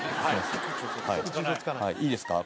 いいですか？